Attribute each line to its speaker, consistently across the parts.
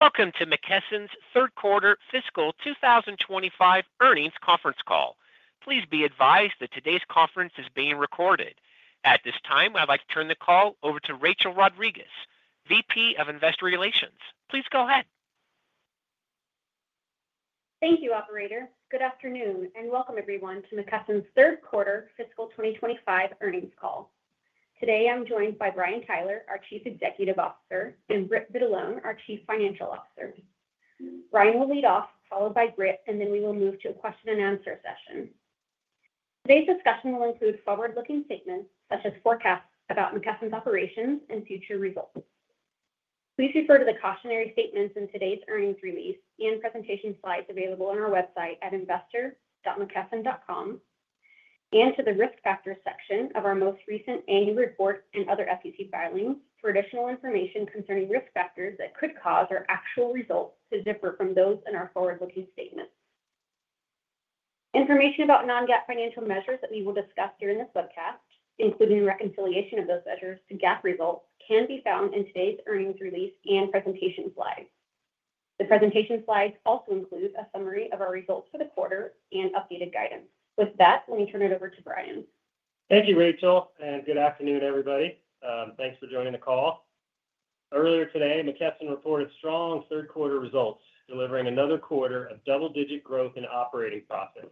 Speaker 1: Welcome to McKesson's third quarter fiscal 2025 earnings conference call. Please be advised that today's conference is being recorded. At this time, I'd like to turn the call over to Rachel Rodriguez, VP of Investor Relations. Please go ahead.
Speaker 2: Thank you, Operator. Good afternoon and welcome, everyone, to McKesson's third quarter fiscal 2025 earnings call. Today, I'm joined by Brian Tyler, our Chief Executive Officer, and Britt Vitalone, our Chief Financial Officer. Brian will lead off, followed by Britt, and then we will move to a question-and-answer session. Today's discussion will include forward-looking statements such as forecasts about McKesson's operations and future results. Please refer to the cautionary statements in today's earnings release and presentation slides available on our website at investor.mckesson.com and to the risk factors section of our most recent annual report and other SEC filings for additional information concerning risk factors that could cause our actual results to differ from those in our forward-looking statements. Information about non-GAAP financial measures that we will discuss during this webcast, including reconciliation of those measures to GAAP results, can be found in today's earnings release and presentation slides. The presentation slides also include a summary of our results for the quarter and updated guidance. With that, let me turn it over to Brian.
Speaker 3: Thank you, Rachel, and good afternoon, everybody. Thanks for joining the call. Earlier today, McKesson reported strong third quarter results, delivering another quarter of double-digit growth in operating profits.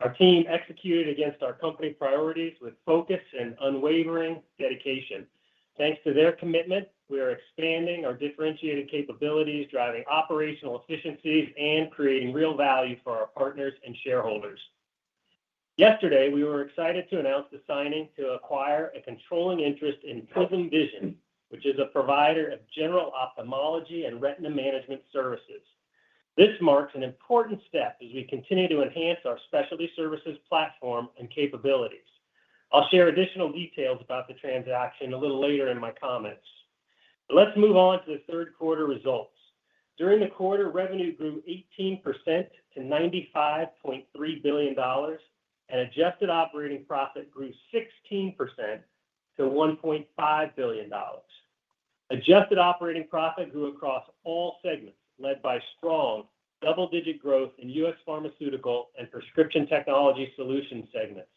Speaker 3: Our team executed against our company priorities with focus and unwavering dedication. Thanks to their commitment, we are expanding our differentiated capabilities, driving operational efficiencies, and creating real value for our partners and shareholders. Yesterday, we were excited to announce the signing to acquire a controlling interest in PRISM Vision, which is a provider of general ophthalmology and retina management services. This marks an important step as we continue to enhance our specialty services platform and capabilities. I'll share additional details about the transaction a little later in my comments. Let's move on to the third quarter results. During the quarter, revenue grew 18% to $95.3 billion, and adjusted operating profit grew 16% to $1.5 billion. Adjusted operating profit grew across all segments, led by strong double-digit growth in U.S. Pharmaceutical and Prescription Technology Solutions segments.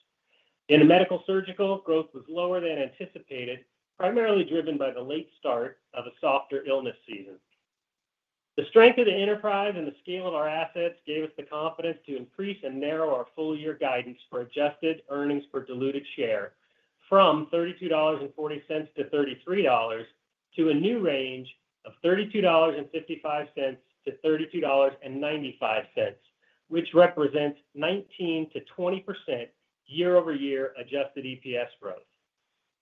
Speaker 3: In Medical-Surgical, growth was lower than anticipated, primarily driven by the late start of a softer illness season. The strength of the enterprise and the scale of our assets gave us the confidence to increase and narrow our full-year guidance for adjusted earnings per diluted share from $32.40-$33.00 to a new range of $32.55-$32.95, which represents 19%-20% year-over-year adjusted EPS growth.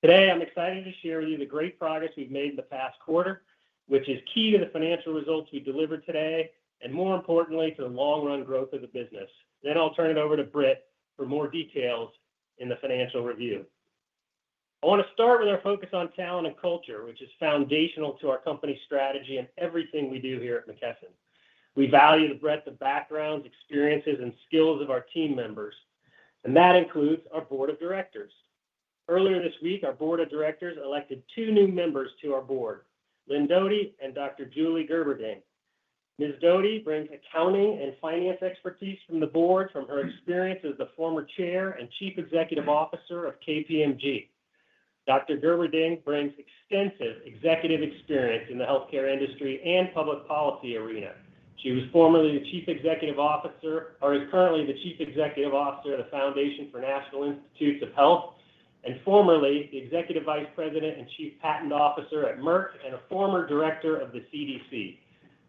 Speaker 3: Today, I'm excited to share with you the great progress we've made in the past quarter, which is key to the financial results we delivered today and, more importantly, to the long-run growth of the business. Then I'll turn it over to Britt for more details in the financial review. I want to start with our focus on talent and culture, which is foundational to our company's strategy and everything we do here at McKesson. We value the breadth of backgrounds, experiences, and skills of our team members, and that includes our board of directors. Earlier this week, our board of directors elected two new members to our board: Lynne Doughtie and Dr. Julie Gerberding. Ms. Doughtie brings accounting and finance expertise to the board from her experience as the former chair and chief executive officer of KPMG. Dr. Gerberding brings extensive executive experience in the healthcare industry and public policy arena. She was formerly the chief executive officer or is currently the chief executive officer of the Foundation for National Institutes of Health and formerly the executive vice president and chief patent officer at Merck and a former director of the CDC.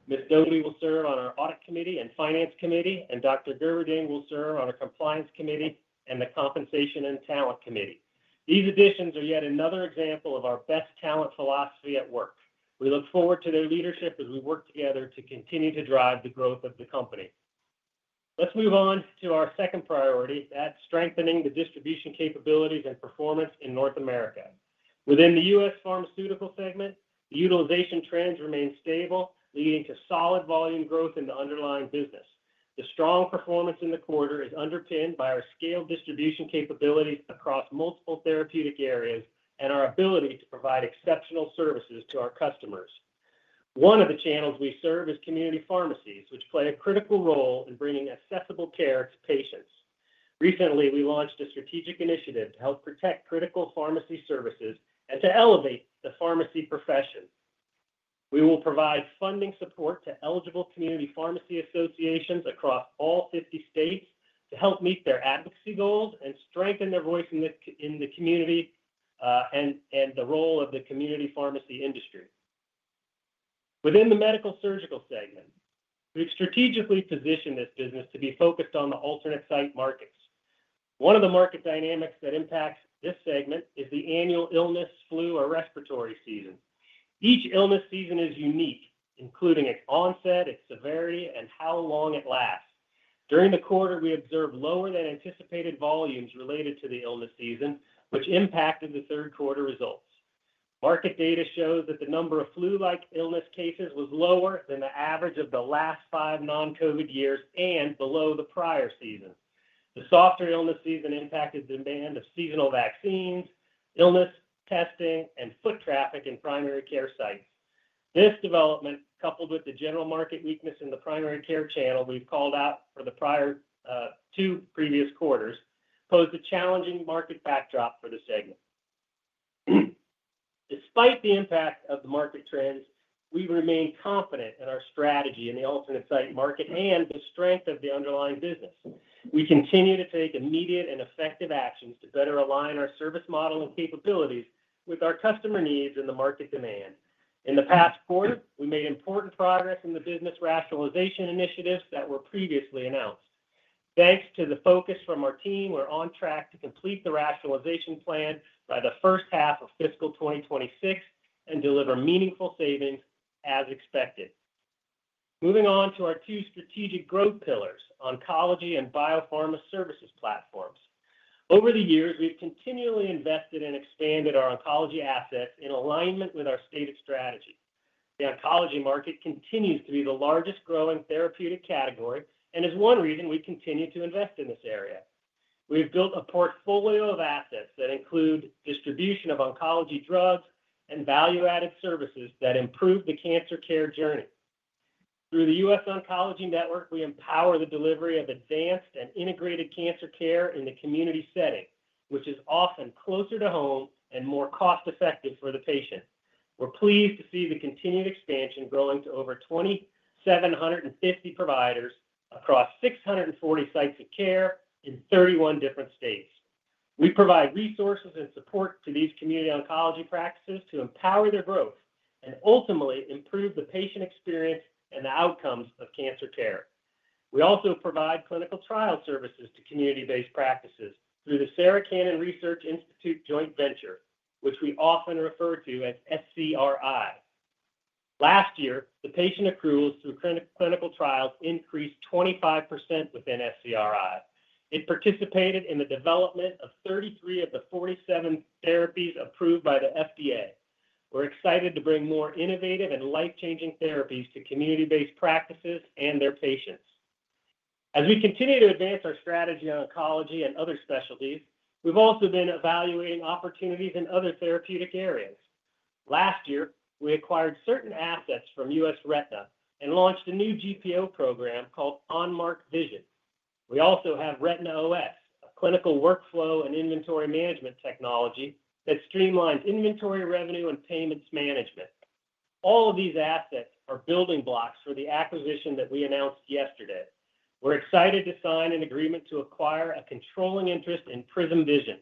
Speaker 3: Ms. Doughtie will serve on our audit committee and finance committee, and Dr. Gerberding will serve on our compliance committee and the compensation and talent committee. These additions are yet another example of our best talent philosophy at work. We look forward to their leadership as we work together to continue to drive the growth of the company. Let's move on to our second priority: strengthening the distribution capabilities and performance in North America. Within the U.S. Pharmaceutical segment, the utilization trends remain stable, leading to solid volume growth in the underlying business. The strong performance in the quarter is underpinned by our scaled distribution capabilities across multiple therapeutic areas and our ability to provide exceptional services to our customers. One of the channels we serve is community pharmacies, which play a critical role in bringing accessible care to patients. Recently, we launched a strategic initiative to help protect critical pharmacy services and to elevate the pharmacy profession. We will provide funding support to eligible community pharmacy associations across all 50 states to help meet their advocacy goals and strengthen their voice in the community and the role of the community pharmacy industry. Within the Medical-Surgical segment, we've strategically positioned this business to be focused on the alternate site markets. One of the market dynamics that impacts this segment is the annual illness, flu, or respiratory season. Each illness season is unique, including its onset, its severity, and how long it lasts. During the quarter, we observed lower-than-anticipated volumes related to the illness season, which impacted the third quarter results. Market data shows that the number of flu-like illness cases was lower than the average of the last five non-COVID years and below the prior season. The softer illness season impacted the demand of seasonal vaccines, illness testing, and foot traffic in primary care sites. This development, coupled with the general market weakness in the primary care channel we've called out for the prior two previous quarters, posed a challenging market backdrop for the segment. Despite the impact of the market trends, we remain confident in our strategy in the alternate site market and the strength of the underlying business. We continue to take immediate and effective actions to better align our service model and capabilities with our customer needs and the market demand. In the past quarter, we made important progress in the business rationalization initiatives that were previously announced. Thanks to the focus from our team, we're on track to complete the rationalization plan by the first half of fiscal 2026 and deliver meaningful savings as expected. Moving on to our two strategic growth pillars: oncology and Biopharma Services platforms. Over the years, we've continually invested and expanded our oncology assets in alignment with our stated strategy. The oncology market continues to be the largest growing therapeutic category and is one reason we continue to invest in this area. We have built a portfolio of assets that include distribution of oncology drugs and value-added services that improve the cancer care journey. Through the U.S. Oncology Network, we empower the delivery of advanced and integrated cancer care in the community setting, which is often closer to home and more cost-effective for the patient. We're pleased to see the continued expansion growing to over 2,750 providers across 640 sites of care in 31 different states. We provide resources and support to these community oncology practices to empower their growth and ultimately improve the patient experience and the outcomes of cancer care. We also provide clinical trial services to community-based practices through the Sarah Cannon Research Institute joint venture, which we often refer to as SCRI. Last year, the patient accruals through clinical trials increased 25% within SCRI. It participated in the development of 33 of the 47 therapies approved by the FDA. We're excited to bring more innovative and life-changing therapies to community-based practices and their patients. As we continue to advance our strategy on oncology and other specialties, we've also been evaluating opportunities in other therapeutic areas. Last year, we acquired certain assets from U.S. Retina and launched a new GPO program called Onmark Vision. We also have RetinaOS, a clinical workflow and inventory management technology that streamlines inventory revenue and payments management. All of these assets are building blocks for the acquisition that we announced yesterday. We're excited to sign an agreement to acquire a controlling interest in PRISM Vision.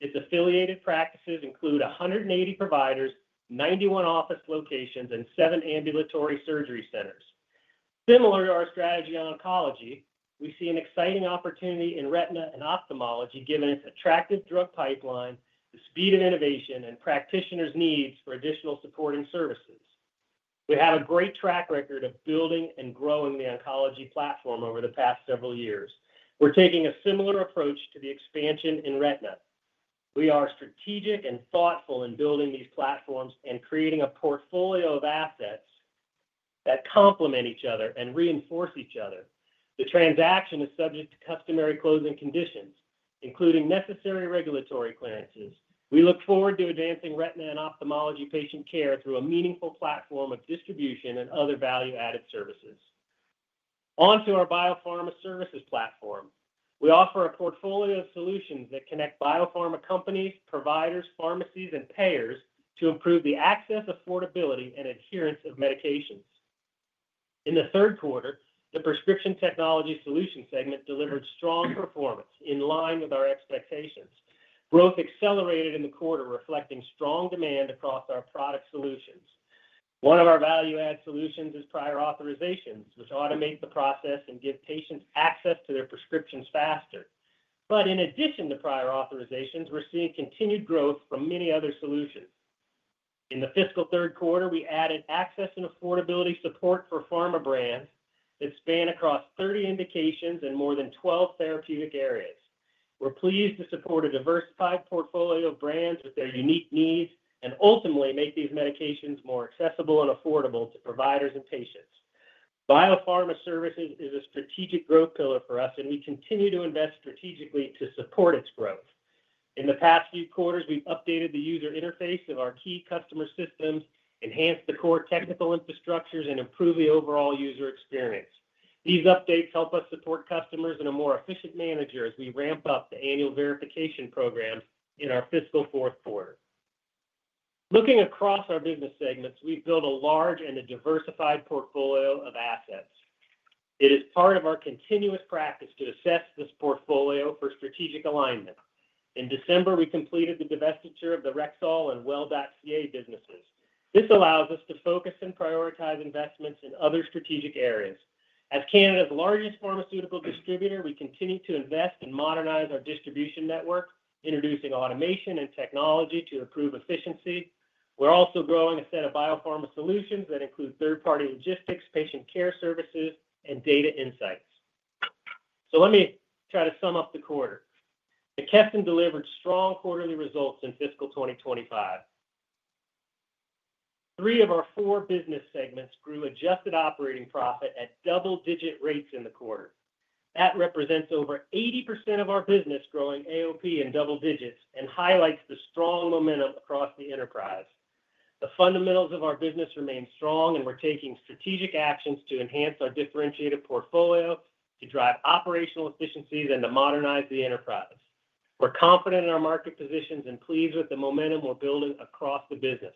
Speaker 3: Its affiliated practices include 180 providers, 91 office locations, and seven ambulatory surgery centers. Similar to our strategy on oncology, we see an exciting opportunity in retina and ophthalmology given its attractive drug pipeline, the speed of innovation, and practitioners' needs for additional supporting services. We have a great track record of building and growing the oncology platform over the past several years. We're taking a similar approach to the expansion in retina. We are strategic and thoughtful in building these platforms and creating a portfolio of assets that complement each other and reinforce each other. The transaction is subject to customary closing conditions, including necessary regulatory clearances. We look forward to advancing retina and ophthalmology patient care through a meaningful platform of distribution and other value-added services. Onto our Biopharma Services platform. We offer a portfolio of solutions that connect biopharma companies, providers, pharmacies, and payers to improve the access, affordability, and adherence of medications. In the third quarter, the Prescription Technology Solutions segment delivered strong performance in line with our expectations. Growth accelerated in the quarter, reflecting strong demand across our product solutions. One of our value-added solutions is prior authorizations, which automate the process and give patients access to their prescriptions faster. But in addition to prior authorizations, we're seeing continued growth from many other solutions. In the fiscal third quarter, we added access and affordability support for pharma brands that span across 30 indications and more than 12 therapeutic areas. We're pleased to support a diversified portfolio of brands with their unique needs and ultimately make these medications more accessible and affordable to providers and patients. Biopharma Services is a strategic growth pillar for us, and we continue to invest strategically to support its growth. In the past few quarters, we've updated the user interface of our key customer systems, enhanced the core technical infrastructures, and improved the overall user experience. These updates help us support customers and a more efficient manner as we ramp up the annual verification programs in our fiscal fourth quarter. Looking across our business segments, we've built a large and a diversified portfolio of assets. It is part of our continuous practice to assess this portfolio for strategic alignment. In December, we completed the divestiture of the Rexall and Well.ca businesses. This allows us to focus and prioritize investments in other strategic areas. As Canada's largest pharmaceutical distributor, we continue to invest and modernize our distribution network, introducing automation and technology to improve efficiency. We're also growing a set of biopharma solutions that include third-party logistics, patient care services, and data insights, so let me try to sum up the quarter. McKesson delivered strong quarterly results in fiscal 2025. Three of our four business segments grew adjusted operating profit at double-digit rates in the quarter. That represents over 80% of our business growing AOP in double digits and highlights the strong momentum across the enterprise. The fundamentals of our business remain strong, and we're taking strategic actions to enhance our differentiated portfolio, to drive operational efficiencies, and to modernize the enterprise. We're confident in our market positions and pleased with the momentum we're building across the business.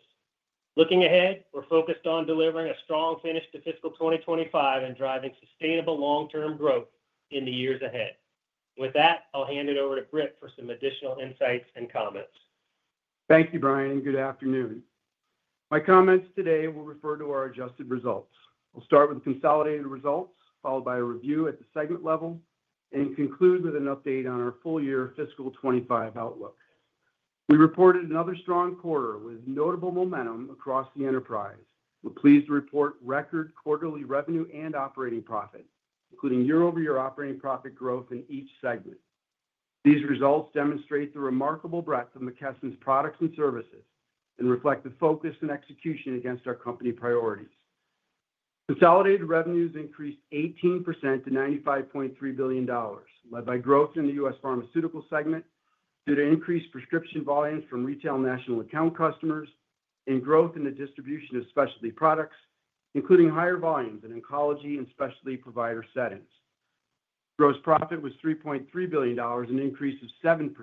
Speaker 3: Looking ahead, we're focused on delivering a strong finish to fiscal 2025 and driving sustainable long-term growth in the years ahead. With that, I'll hand it over to Britt for some additional insights and comments.
Speaker 4: Thank you, Brian, and good afternoon. My comments today will refer to our adjusted results. We'll start with consolidated results, followed by a review at the segment level, and conclude with an update on our full-year fiscal 2025 outlook. We reported another strong quarter with notable momentum across the enterprise. We're pleased to report record quarterly revenue and operating profit, including year-over-year operating profit growth in each segment. These results demonstrate the remarkable breadth of McKesson's products and services and reflect the focus and execution against our company priorities. Consolidated revenues increased 18% to $95.3 billion, led by growth in the U.S. Pharmaceutical segment due to increased prescription volumes from retail national account customers and growth in the distribution of specialty products, including higher volumes in oncology and specialty provider settings. Gross profit was $3.3 billion, an increase of 7%,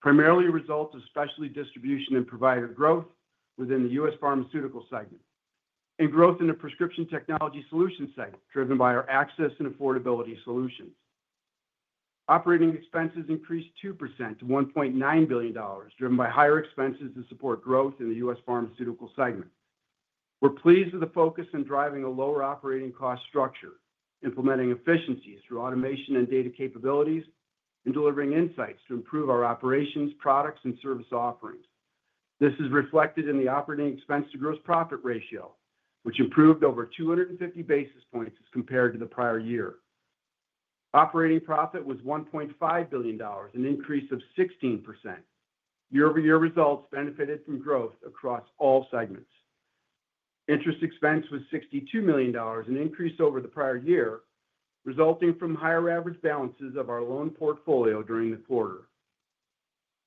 Speaker 4: primarily a result of specialty distribution and provider growth within the U.S. Pharmaceutical segment and growth in the Prescription Technology Solutions segment driven by our access and affordability solutions. Operating expenses increased 2% to $1.9 billion, driven by higher expenses to support growth in the U.S. Pharmaceutical segment. We're pleased with the focus on driving a lower operating cost structure, implementing efficiencies through automation and data capabilities, and delivering insights to improve our operations, products, and service offerings. This is reflected in the operating expense-to-gross profit ratio, which improved over 250 basis points as compared to the prior year. Operating profit was $1.5 billion, an increase of 16%. Year-over-year results benefited from growth across all segments. Interest expense was $62 million, an increase over the prior year, resulting from higher average balances of our loan portfolio during the quarter.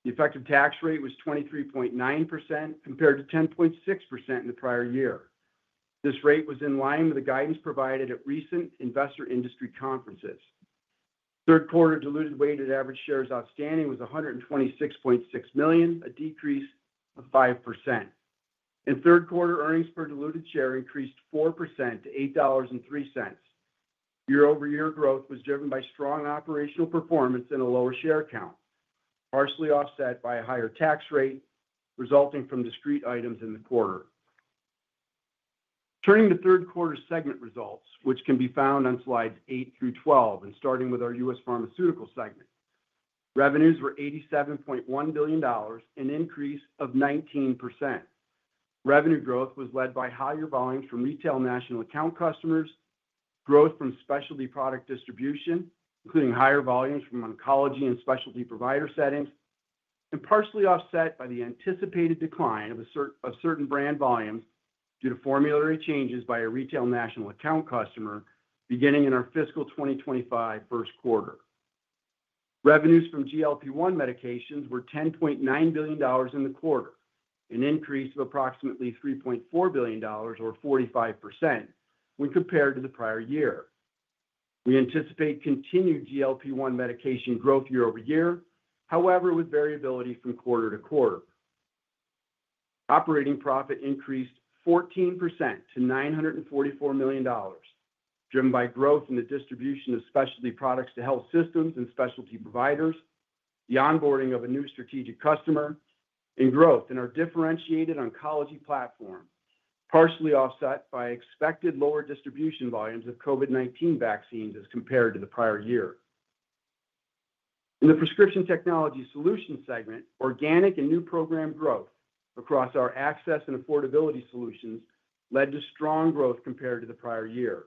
Speaker 4: The effective tax rate was 23.9% compared to 10.6% in the prior year. This rate was in line with the guidance provided at recent investor industry conferences. Third quarter diluted weighted average shares outstanding was 126.6 million, a decrease of 5%. In third quarter, earnings per diluted share increased 4% to $8.03. Year-over-year growth was driven by strong operational performance and a lower share count, partially offset by a higher tax rate resulting from discrete items in the quarter. Turning to third quarter segment results, which can be found on slides 8 through 12, and starting with our U.S. Pharmaceutical segment, revenues were $87.1 billion, an increase of 19%. Revenue growth was led by higher volumes from retail national account customers, growth from specialty product distribution, including higher volumes from oncology and specialty provider settings, and partially offset by the anticipated decline of certain brand volumes due to formulary changes by a retail national account customer beginning in our fiscal 2025 first quarter. Revenues from GLP-1 medications were $10.9 billion in the quarter, an increase of approximately $3.4 billion, or 45%, when compared to the prior year. We anticipate continued GLP-1 medication growth year-over-year, however, with variability from quarter to quarter. Operating profit increased 14% to $944 million, driven by growth in the distribution of specialty products to health systems and specialty providers, the onboarding of a new strategic customer, and growth in our differentiated oncology platform, partially offset by expected lower distribution volumes of COVID-19 vaccines as compared to the prior year. In the Prescription Technology Solutions segment, organic and new program growth across our access and affordability solutions led to strong growth compared to the prior year.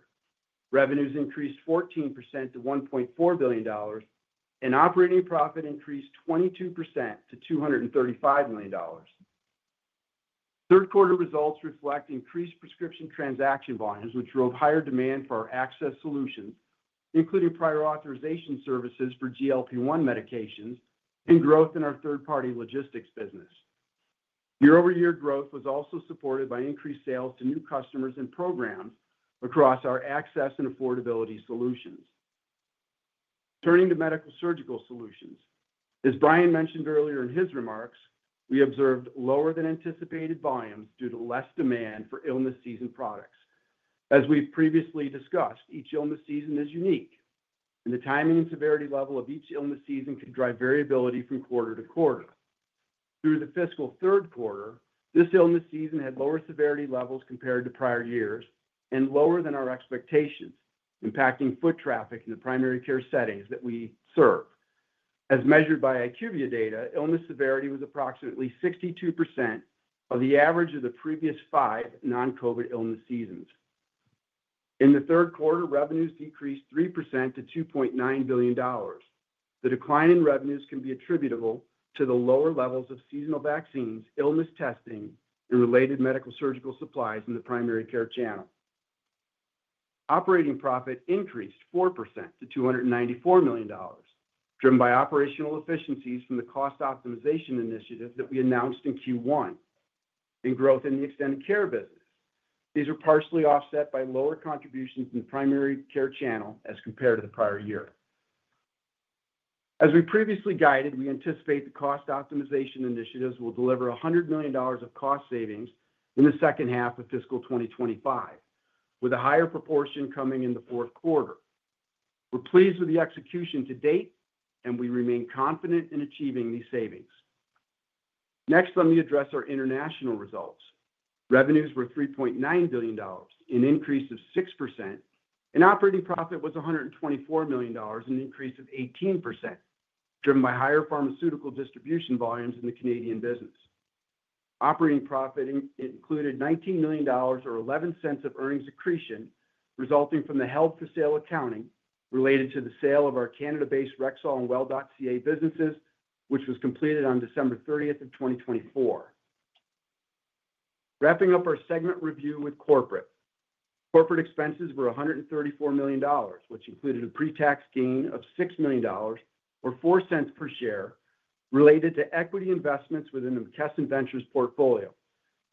Speaker 4: Revenues increased 14% to $1.4 billion, and operating profit increased 22% to $235 million. Third quarter results reflect increased prescription transaction volumes, which drove higher demand for our access solutions, including prior authorization services for GLP-1 medications and growth in our third-party logistics business. Year-over-year growth was also supported by increased sales to new customers and programs across our access and affordability solutions. Turning to Medical-Surgical Solutions, as Brian mentioned earlier in his remarks, we observed lower than anticipated volumes due to less demand for illness season products. As we've previously discussed, each illness season is unique, and the timing and severity level of each illness season can drive variability from quarter to quarter. Through the fiscal third quarter, this illness season had lower severity levels compared to prior years and lower than our expectations, impacting foot traffic in the primary care settings that we serve. As measured by IQVIA data, illness severity was approximately 62% of the average of the previous five non-COVID illness seasons. In the third quarter, revenues decreased 3% to $2.9 billion. The decline in revenues can be attributable to the lower levels of seasonal vaccines, illness testing, and related Medical-Surgical supplies in the primary care channel. Operating profit increased 4% to $294 million, driven by operational efficiencies from the cost optimization initiative that we announced in Q1, and growth in the extended care business. These are partially offset by lower contributions in the primary care channel as compared to the prior year. As we previously guided, we anticipate the cost optimization initiatives will deliver $100 million of cost savings in the second half of fiscal 2025, with a higher proportion coming in the fourth quarter. We're pleased with the execution to date, and we remain confident in achieving these savings. Next, let me address our International results. Revenues were $3.9 billion, an increase of 6%, and operating profit was $124 million, an increase of 18%, driven by higher pharmaceutical distribution volumes in the Canadian business. Operating profit included $19 million, or 11 cents, of earnings accretion resulting from the held for sale accounting related to the sale of our Canada-based Rexall and Well.ca businesses, which was completed on December 30th of 2024. Wrapping up our segment review with Corporate, Corporate expenses were $134 million, which included a pre-tax gain of $6 million, or $0.04 per share, related to equity investments within the McKesson Ventures portfolio,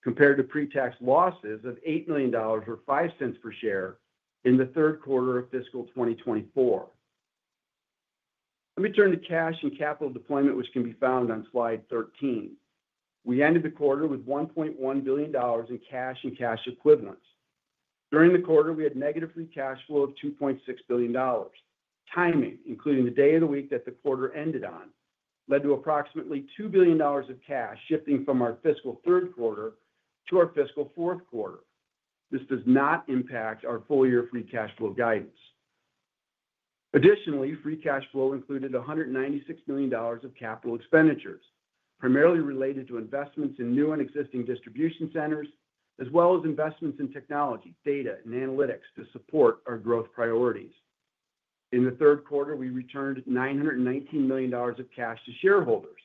Speaker 4: compared to pre-tax losses of $8 million, or $0.05 per share, in the third quarter of fiscal 2024. Let me turn to cash and capital deployment, which can be found on slide 13. We ended the quarter with $1.1 billion in cash and cash equivalents. During the quarter, we had negative free cash flow of $2.6 billion. Timing, including the day of the week that the quarter ended on, led to approximately $2 billion of cash shifting from our fiscal third quarter to our fiscal fourth quarter. This does not impact our full-year free cash flow guidance. Additionally, free cash flow included $196 million of capital expenditures, primarily related to investments in new and existing distribution centers, as well as investments in technology, data, and analytics to support our growth priorities. In the third quarter, we returned $919 million of cash to shareholders,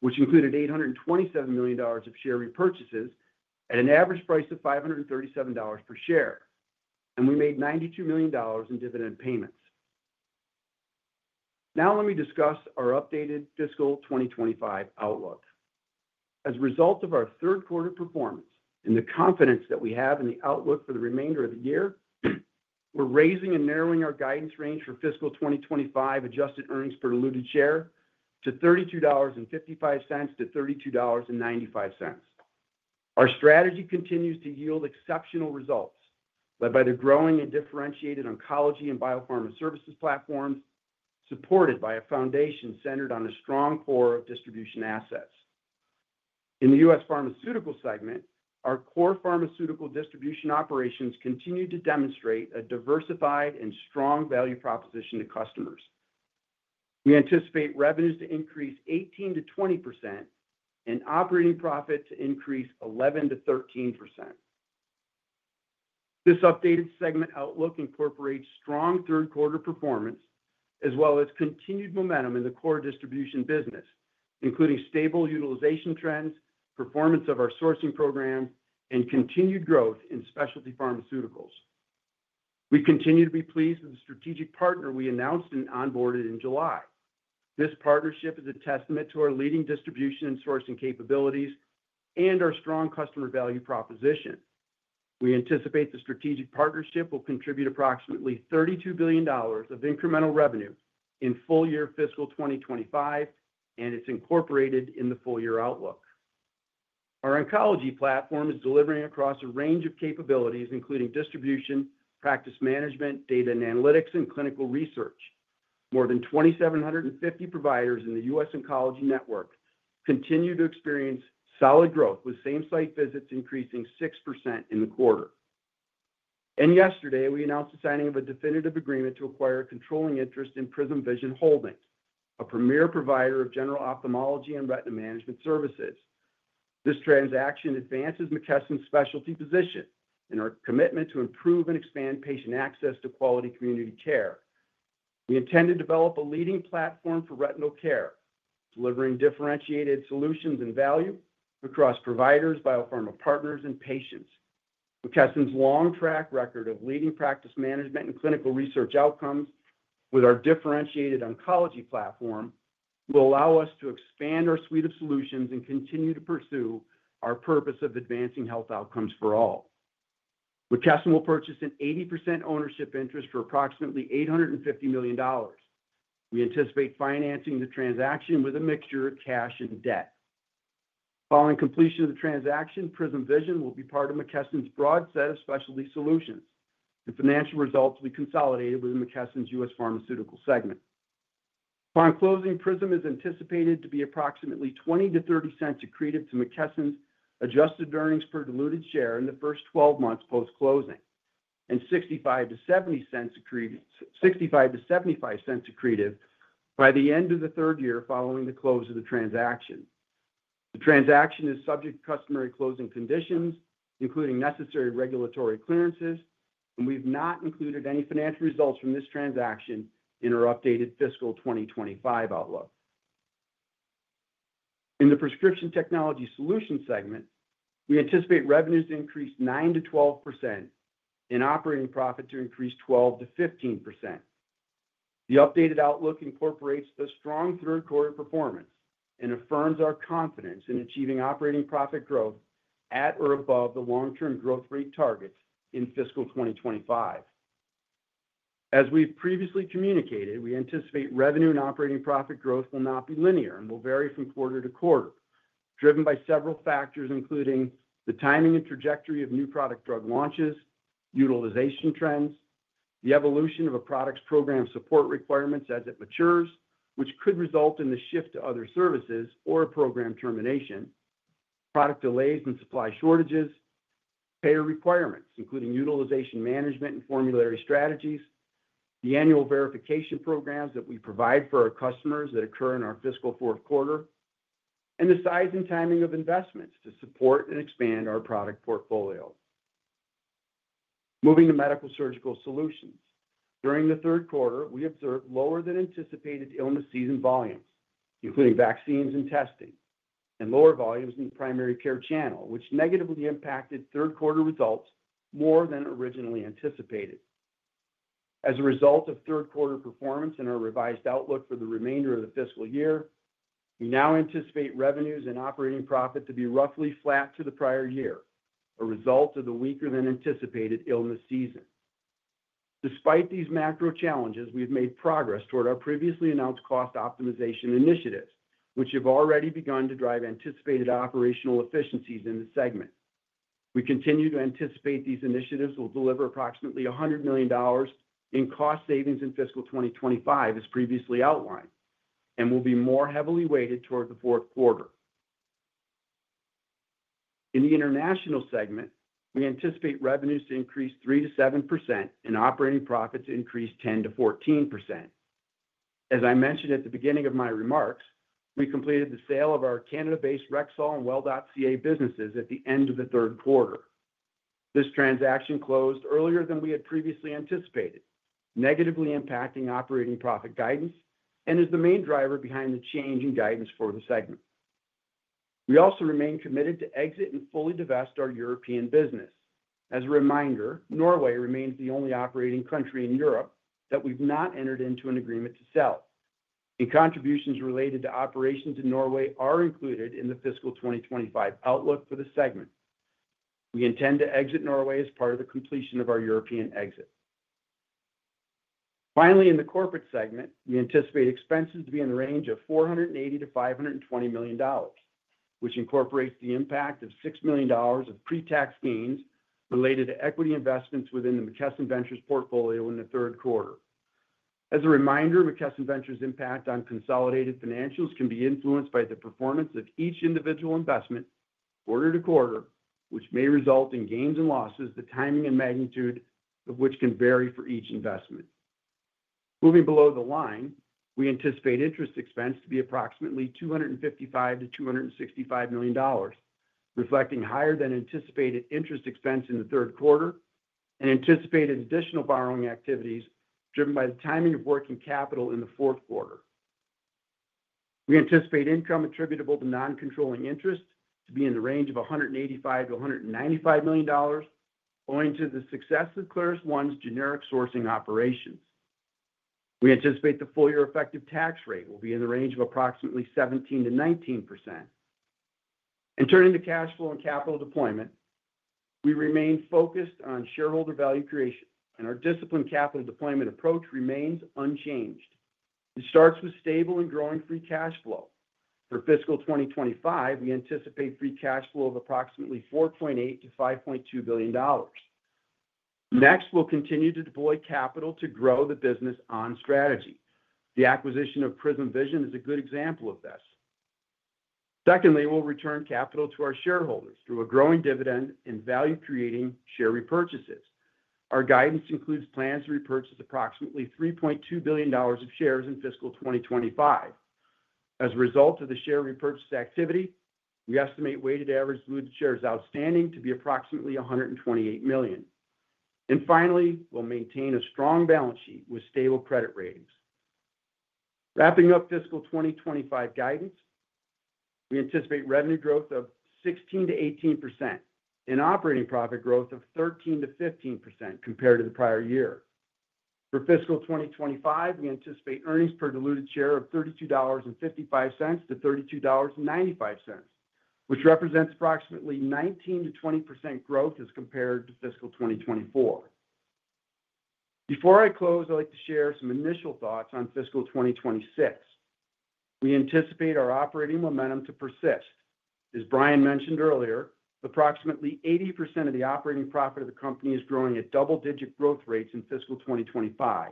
Speaker 4: which included $827 million of share repurchases at an average price of $537 per share, and we made $92 million in dividend payments. Now, let me discuss our updated fiscal 2025 outlook. As a result of our third quarter performance and the confidence that we have in the outlook for the remainder of the year, we're raising and narrowing our guidance range for fiscal 2025 adjusted earnings per diluted share to $32.55-$32.95. Our strategy continues to yield exceptional results, led by the growing and differentiated oncology and Biopharma Services platforms supported by a foundation centered on a strong core of distribution assets. In the U.S. Pharmaceutical segment, our core pharmaceutical distribution operations continue to demonstrate a diversified and strong value proposition to customers. We anticipate revenues to increase 18%-20% and operating profit to increase 11%-13%. This updated segment outlook incorporates strong third quarter performance, as well as continued momentum in the core distribution business, including stable utilization trends, performance of our sourcing program, and continued growth in specialty pharmaceuticals. We continue to be pleased with the strategic partner we announced and onboarded in July. This partnership is a testament to our leading distribution and sourcing capabilities and our strong customer value proposition. We anticipate the strategic partnership will contribute approximately $32 billion of incremental revenue in full-year fiscal 2025, and it's incorporated in the full-year outlook. Our oncology platform is delivering across a range of capabilities, including distribution, practice management, data and analytics, and clinical research. More than 2,750 providers in the U.S. Oncology Network continue to experience solid growth, with same-site visits increasing 6% in the quarter. Yesterday, we announced the signing of a definitive agreement to acquire a controlling interest in PRISM Vision Holdings, a premier provider of general ophthalmology and retina management services. This transaction advances McKesson's specialty position and our commitment to improve and expand patient access to quality community care. We intend to develop a leading platform for retinal care, delivering differentiated solutions and value across providers, biopharma partners, and patients. McKesson's long track record of leading practice management and clinical research outcomes with our differentiated oncology platform will allow us to expand our suite of solutions and continue to pursue our purpose of advancing health outcomes for all. McKesson will purchase an 80% ownership interest for approximately $850 million. We anticipate financing the transaction with a mixture of cash and debt. Following completion of the transaction, PRISM Vision will be part of McKesson's broad set of specialty solutions. The financial results will be consolidated within McKesson's U.S. Pharmaceutical segment. Upon closing, PRISM is anticipated to be approximately $0.20-$0.30 accretive to McKesson's adjusted earnings per diluted share in the first 12 months post-closing and $0.65-$0.75 accretive by the end of the third year following the close of the transaction. The transaction is subject to customary closing conditions, including necessary regulatory clearances, and we've not included any financial results from this transaction in our updated fiscal 2025 outlook. In the Prescription Technology Solutions segment, we anticipate revenues to increase 9%-12% and operating profit to increase 12%-15%. The updated outlook incorporates the strong third quarter performance and affirms our confidence in achieving operating profit growth at or above the long-term growth rate targets in fiscal 2025. As we've previously communicated, we anticipate revenue and operating profit growth will not be linear and will vary from quarter to quarter, driven by several factors, including the timing and trajectory of new product drug launches, utilization trends, the evolution of a product's program support requirements as it matures, which could result in the shift to other services or a program termination, product delays and supply shortages, payer requirements, including utilization management and formulary strategies, the annual verification programs that we provide for our customers that occur in our fiscal fourth quarter, and the size and timing of investments to support and expand our product portfolio. Moving to Medical-Surgical Solutions, during the third quarter, we observed lower than anticipated illness season volumes, including vaccines and testing, and lower volumes in the primary care channel, which negatively impacted third quarter results more than originally anticipated. As a result of third quarter performance and our revised outlook for the remainder of the fiscal year, we now anticipate revenues and operating profit to be roughly flat to the prior year, a result of the weaker than anticipated illness season. Despite these macro challenges, we've made progress toward our previously announced cost optimization initiatives, which have already begun to drive anticipated operational efficiencies in the segment. We continue to anticipate these initiatives will deliver approximately $100 million in cost savings in fiscal 2025, as previously outlined, and will be more heavily weighted toward the fourth quarter. In the International segment, we anticipate revenues to increase 3%-7% and operating profit to increase 10%-14%. As I mentioned at the beginning of my remarks, we completed the sale of our Canada-based Rexall and Well.ca businesses at the end of the third quarter. This transaction closed earlier than we had previously anticipated, negatively impacting operating profit guidance, and is the main driver behind the change in guidance for the segment. We also remain committed to exit and fully divest our European business. As a reminder, Norway remains the only operating country in Europe that we've not entered into an agreement to sell. Contributions related to operations in Norway are included in the fiscal 2025 outlook for the segment. We intend to exit Norway as part of the completion of our European exit. Finally, in the Corporate segment, we anticipate expenses to be in the range of $480 million-$520 million, which incorporates the impact of $6 million of pre-tax gains related to equity investments within the McKesson Ventures portfolio in the third quarter. As a reminder, McKesson Ventures' impact on consolidated financials can be influenced by the performance of each individual investment quarter to quarter, which may result in gains and losses, the timing and magnitude of which can vary for each investment. Moving below the line, we anticipate interest expense to be approximately $255 million-$265 million, reflecting higher than anticipated interest expense in the third quarter and anticipated additional borrowing activities driven by the timing of working capital in the fourth quarter. We anticipate income attributable to non-controlling interest to be in the range of $185 million-$195 million, owing to the success of ClarisOne's generic sourcing operations. We anticipate the full-year effective tax rate will be in the range of approximately 17%-19%, and turning to cash flow and capital deployment, we remain focused on shareholder value creation, and our disciplined capital deployment approach remains unchanged. It starts with stable and growing free cash flow. For fiscal 2025, we anticipate free cash flow of approximately $4.8 billion-$5.2 billion. Next, we'll continue to deploy capital to grow the business on strategy. The acquisition of PRISM Vision is a good example of this. Secondly, we'll return capital to our shareholders through a growing dividend and value-creating share repurchases. Our guidance includes plans to repurchase approximately $3.2 billion of shares in fiscal 2025. As a result of the share repurchase activity, we estimate weighted average diluted shares outstanding to be approximately 128 million. Finally, we'll maintain a strong balance sheet with stable credit ratings. Wrapping up fiscal 2025 guidance, we anticipate revenue growth of 16%-18% and operating profit growth of 13%-15% compared to the prior year. For fiscal 2025, we anticipate earnings per diluted share of $32.55-$32.95, which represents approximately 19%-20% growth as compared to fiscal 2024. Before I close, I'd like to share some initial thoughts on fiscal 2026. We anticipate our operating momentum to persist. As Brian mentioned earlier, approximately 80% of the operating profit of the company is growing at double-digit growth rates in fiscal 2025.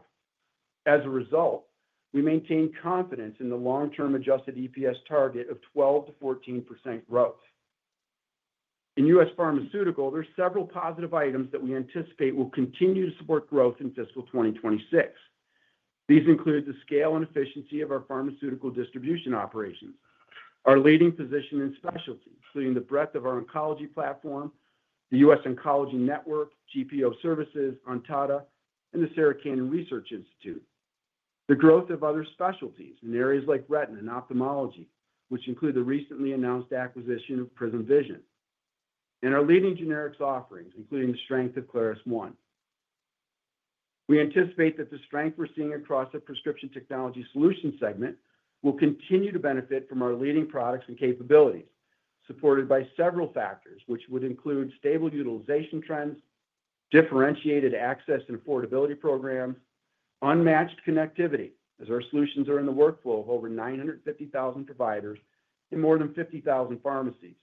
Speaker 4: As a result, we maintain confidence in the long-term adjusted EPS target of 12%-14% growth. In U.S. Pharmaceutical, there are several positive items that we anticipate will continue to support growth in fiscal 2026. These include the scale and efficiency of our pharmaceutical distribution operations, our leading position in specialty, including the breadth of our oncology platform, the U.S. Oncology Network, GPO services, Ontada, and the Sarah Cannon Research Institute, the growth of other specialties in areas like retina and ophthalmology, which include the recently announced acquisition of PRISM Vision, and our leading generics offerings, including the strength of ClarisOne. We anticipate that the strength we're seeing across the Prescription Technology Solutions segment will continue to benefit from our leading products and capabilities, supported by several factors, which would include stable utilization trends, differentiated access and affordability programs, unmatched connectivity, as our solutions are in the workflow of over 950,000 providers in more than 50,000 pharmacies,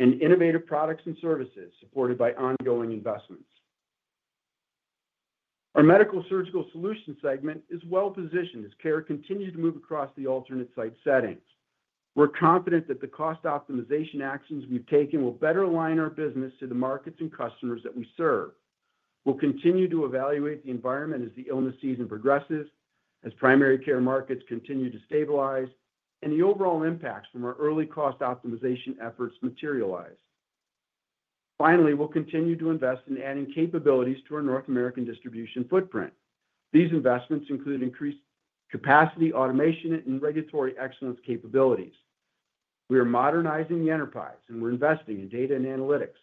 Speaker 4: and innovative products and services supported by ongoing investments. Our Medical-Surgical Solutions segment is well-positioned as care continues to move across the alternate site settings. We're confident that the cost optimization actions we've taken will better align our business to the markets and customers that we serve. We'll continue to evaluate the environment as the illness season progresses, as primary care markets continue to stabilize, and the overall impacts from our early cost optimization efforts materialize. Finally, we'll continue to invest in adding capabilities to our North American distribution footprint. These investments include increased capacity, automation, and regulatory excellence capabilities. We are modernizing the enterprise, and we're investing in data and analytics,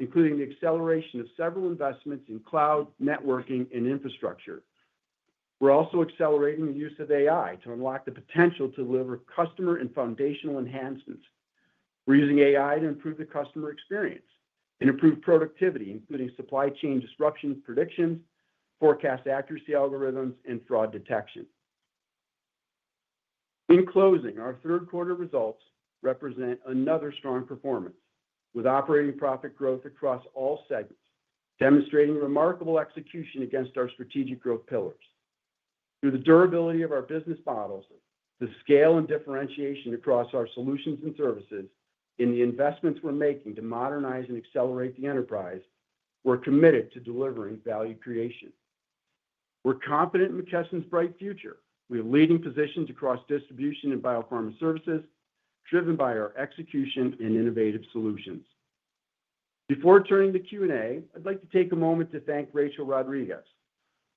Speaker 4: including the acceleration of several investments in cloud, networking, and infrastructure. We're also accelerating the use of AI to unlock the potential to deliver customer and foundational enhancements. We're using AI to improve the customer experience and improve productivity, including supply chain disruption predictions, forecast accuracy algorithms, and fraud detection. In closing, our third quarter results represent another strong performance, with operating profit growth across all segments, demonstrating remarkable execution against our strategic growth pillars. Through the durability of our business models, the scale and differentiation across our solutions and services, and the investments we're making to modernize and accelerate the enterprise, we're committed to delivering value creation. We're confident in McKesson's bright future. We have leading positions across distribution and Biopharma Services, driven by our execution and innovative solutions. Before turning to Q&A, I'd like to take a moment to thank Rachel Rodriguez.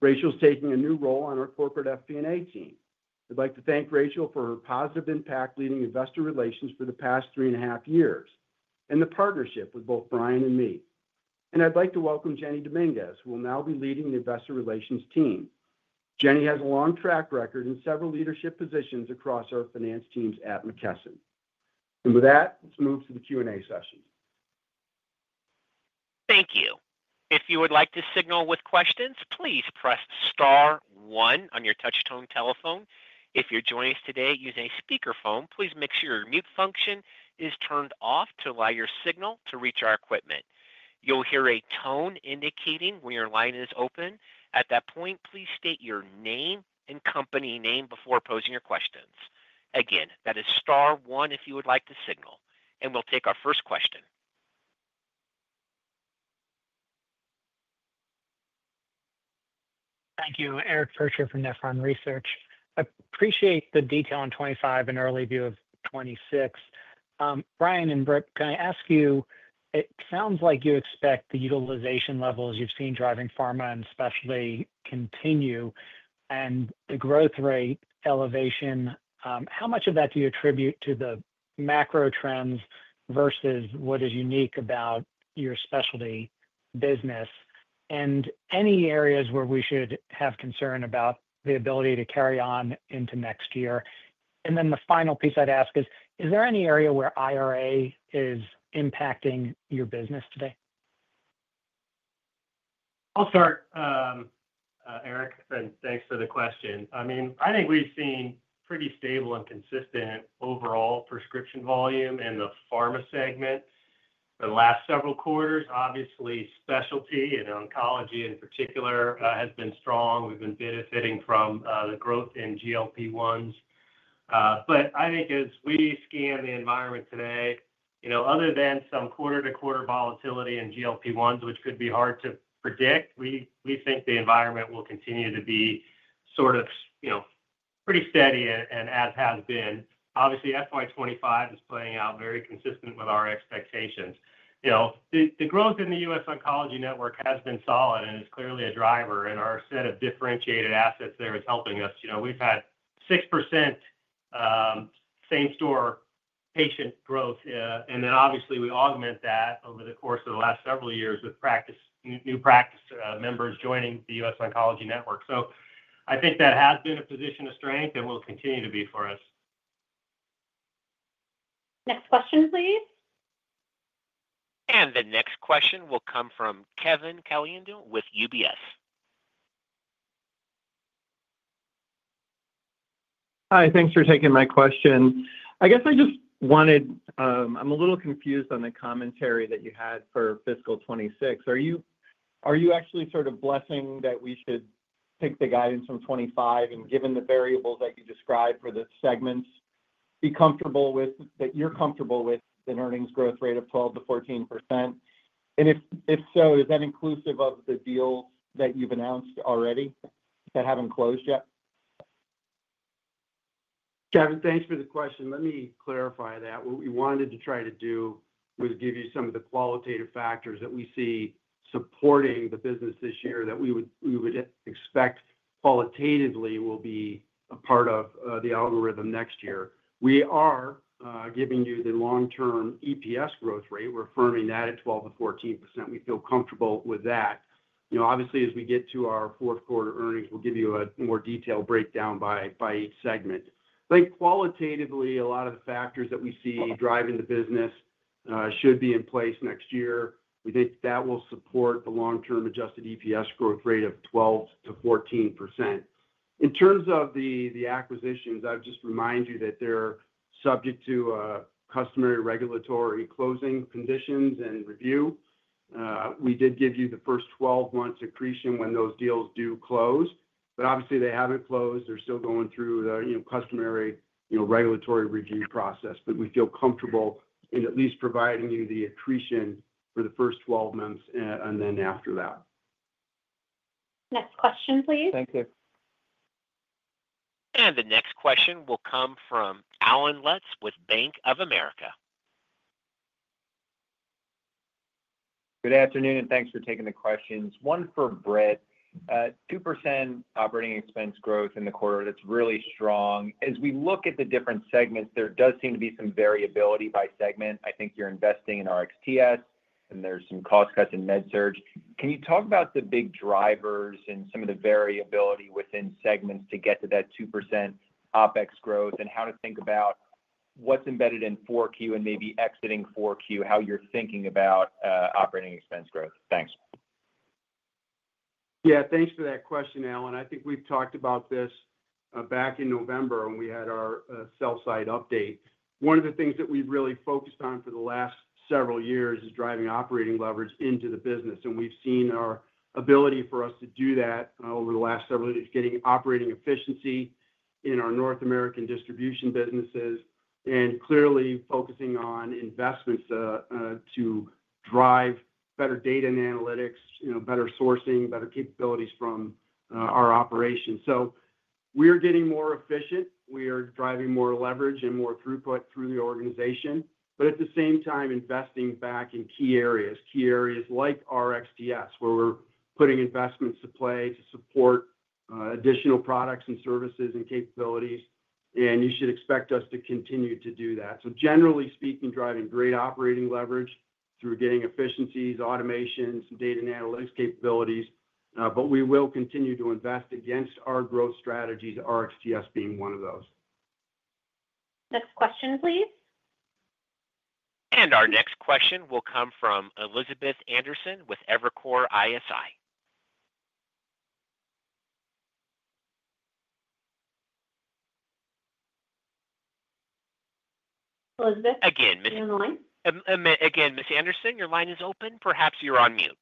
Speaker 4: Rachel's taking a new role on our Corporate FP&A team. I'd like to thank Rachel for her positive impact leading investor relations for the past three and a half years and the partnership with both Brian and me. And I'd like to welcome Jenny Dominguez, who will now be leading the investor relations team. Jenny has a long track record in several leadership positions across our finance teams at McKesson. And with that, let's move to the Q&A session.
Speaker 1: Thank you. If you would like to signal with questions, please press Star 1 on your touch-tone telephone. If you're joining us today using a speakerphone, please make sure your mute function is turned off to allow your signal to reach our equipment. You'll hear a tone indicating when your line is open. At that point, please state your name and company name before posing your questions. Again, that is Star 1 if you would like to signal. We'll take our first question.
Speaker 5: Thank you. Eric Percher from Nephron Research. I appreciate the detail on 2025 and early view of 2026. Brian and Britt, can I ask you, it sounds like you expect the utilization levels you've seen driving pharma and specialty continue and the growth rate elevation. How much of that do you attribute to the macro trends versus what is unique about your specialty business and any areas where we should have concern about the ability to carry on into next year? And then the final piece I'd ask is, is there any area where IRA is impacting your business today?
Speaker 3: I'll start, Eric, and thanks for the question. I mean, I think we've seen pretty stable and consistent overall prescription volume in the Pharma segment the last several quarters. Obviously, specialty and oncology in particular has been strong. We've been benefiting from the growth in GLP-1s. But I think as we scan the environment today, other than some quarter-to-quarter volatility in GLP-1s, which could be hard to predict, we think the environment will continue to be sort of pretty steady and as has been. Obviously, FY 2025 is playing out very consistent with our expectations. The growth in the U.S. Oncology Network has been solid and is clearly a driver, and our set of differentiated assets there is helping us. We've had 6% same-store patient growth, and then obviously we augment that over the course of the last several years with new practice members joining the U.S. Oncology Network. So I think that has been a position of strength and will continue to be for us.
Speaker 2: Next question, please?
Speaker 1: And the next question will come from Kevin Caliendo with UBS.
Speaker 6: Hi, thanks for taking my question. I guess I just wanted—I'm a little confused on the commentary that you had for fiscal 26. Are you actually sort of blessing that we should pick the guidance from 25 and, given the variables that you described for the segments, be comfortable with—that you're comfortable with an earnings growth rate of 12%-14%? And if so, is that inclusive of the deals that you've announced already that haven't closed yet?
Speaker 4: Kevin, thanks for the question. Let me clarify that. What we wanted to try to do was give you some of the qualitative factors that we see supporting the business this year that we would expect qualitatively will be a part of the algorithm next year. We are giving you the long-term EPS growth rate. We're affirming that at 12%-14%. We feel comfortable with that. Obviously, as we get to our fourth quarter earnings, we'll give you a more detailed breakdown by each segment. I think qualitatively, a lot of the factors that we see driving the business should be in place next year. We think that will support the long-term Adjusted EPS growth rate of 12%-14%. In terms of the acquisitions, I would just remind you that they're subject to customary regulatory closing conditions and review. We did give you the first 12 months' accretion when those deals do close, but obviously they haven't closed. They're still going through the customary regulatory review process, but we feel comfortable in at least providing you the accretion for the first 12 months and then after that.
Speaker 2: Next question, please?
Speaker 6: Thank you.
Speaker 1: And the next question will come from Allen Lutz with Bank of America.
Speaker 7: Good afternoon, and thanks for taking the questions. One for Britt. 2% operating expense growth in the quarter. That's really strong. As we look at the different segments, there does seem to be some variability by segment. I think you're investing in RxTS, and there's some cost cuts in Med-Surg. Can you talk about the big drivers and some of the variability within segments to get to that 2% OpEx growth and how to think about what's embedded in Q4 and maybe exiting Q4, how you're thinking about operating expense growth? Thanks.
Speaker 4: Yeah, thanks for that question, Allen. I think we've talked about this back in November when we had our sell-side update. One of the things that we've really focused on for the last several years is driving operating leverage into the business, and we've seen our ability for us to do that over the last several years is getting operating efficiency in our North American distribution businesses and clearly focusing on investments to drive better data and analytics, better sourcing, better capabilities from our operations, so we're getting more efficient. We are driving more leverage and more throughput through the organization, but at the same time, investing back in key areas, key areas like RxTS, where we're putting investments to play to support additional products and services and capabilities, and you should expect us to continue to do that, so generally speaking, driving great operating leverage through getting efficiencies, automations, data and analytics capabilities, but we will continue to invest against our growth strategies, RxTS being one of those.
Speaker 2: Next question, please?
Speaker 1: And our next question will come from Elizabeth Anderson with Evercore ISI.
Speaker 2: Elizabeth, are you online?
Speaker 1: Again, Ms. Anderson, your line is open. Perhaps you're on mute.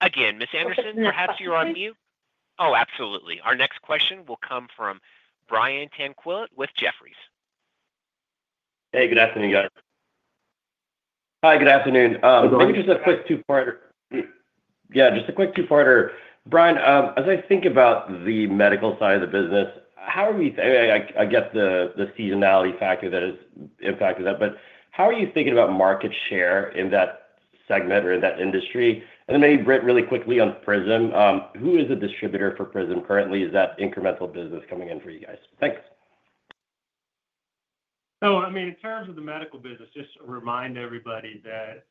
Speaker 1: Again, Ms. Anderson, perhaps you're on mute.
Speaker 2: Operator, next question, please?
Speaker 1: Oh, absolutely. Our next question will come from Brian Tanquilut with Jefferies.
Speaker 8: Hey, good afternoon, guys. Hi, good afternoon. Maybe just a quick two-parter. Yeah, just a quick two-parter. Brian, as I think about the medical side of the business, how are we. I get the seasonality factor that has impacted that, but how are you thinking about market share in that segment or in that industry? And then maybe, Britt, really quickly on PRISM, who is the distributor for PRISM currently? Is that incremental business coming in for you guys? Thanks.
Speaker 3: I mean, in terms of the medical business, just to remind everybody that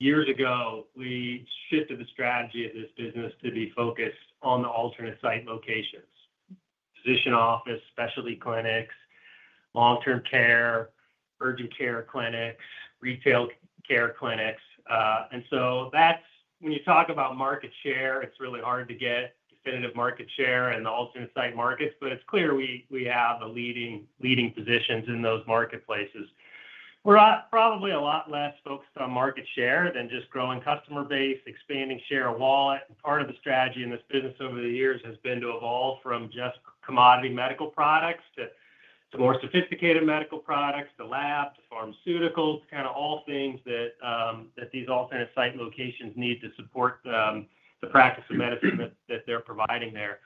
Speaker 3: years ago, we shifted the strategy of this business to be focused on the alternate site locations: physician office, specialty clinics, long-term care, urgent care clinics, retail care clinics. When you talk about market share, it's really hard to get definitive market share in the alternate site markets, but it's clear we have leading positions in those marketplaces. We're probably a lot less focused on market share than just growing customer base, expanding share of wallet. Part of the strategy in this business over the years has been to evolve from just commodity medical products to more sophisticated medical products, to lab, to pharmaceuticals, to kind of all things that these alternate site locations need to support the practice of medicine that they're providing there.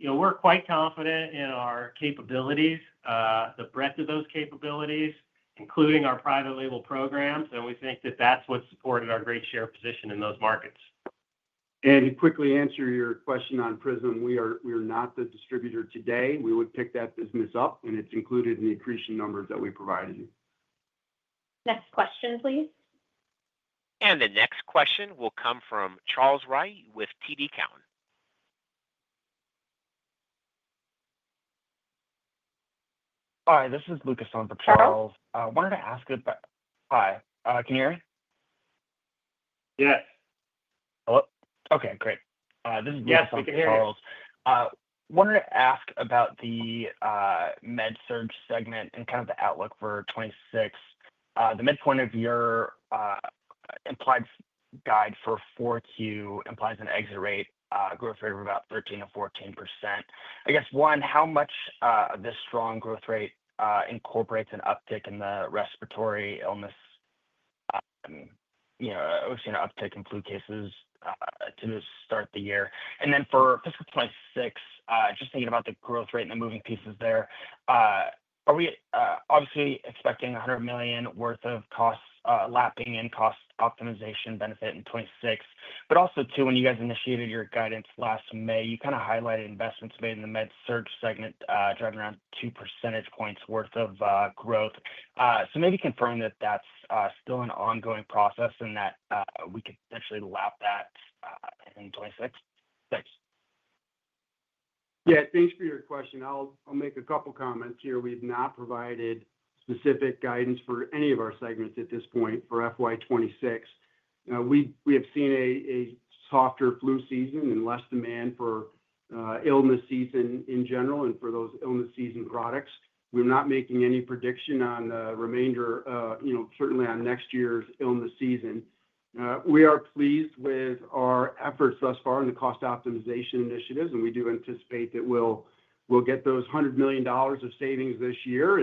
Speaker 3: We're quite confident in our capabilities, the breadth of those capabilities, including our private label programs, and we think that that's what's supported our great share position in those markets.
Speaker 4: To quickly answer your question on PRISM, we are not the distributor today. We would pick that business up, and it's included in the accretion numbers that we provided you.
Speaker 2: Next question, please?
Speaker 1: The next question will come from Charles Rhyee with TD Cowen.
Speaker 9: Hi, this is Lucas on the phone. I wanted to ask about—
Speaker 2: Charles?
Speaker 9: Hi, can you hear me?
Speaker 4: Yes.
Speaker 9: Hello? Okay, great.
Speaker 3: Yes. We can hear you.
Speaker 9: This is Lucas on the phone. I wanted to ask about the Medical-Surgical segment and kind of the outlook for 2026. The midpoint of your implied guide for 4Q implies an exit rate growth rate of about 13% to 14%. I guess, one, how much of this strong growth rate incorporates an uptick in the respiratory illness, obviously an uptick in flu cases to start the year? And then for fiscal 2026, just thinking about the growth rate and the moving pieces there, are we obviously expecting $100 million worth of costs—lapping and cost optimization benefit in 26? But also, too, when you guys initiated your guidance last May, you kind of highlighted investments made in the Med-Surg segment, driving around 2 percentage points worth of growth. So maybe confirming that that's still an ongoing process and that we could potentially lap that in 2026. Thanks.
Speaker 4: Yeah, thanks for your question. I'll make a couple of comments here. We've not provided specific guidance for any of our segments at this point for FY26. We have seen a softer flu season and less demand for illness season in general and for those illness season products. We're not making any prediction on the remainder, certainly on next year's illness season. We are pleased with our efforts thus far in the cost optimization initiatives, and we do anticipate that we'll get those $100 million of savings this year.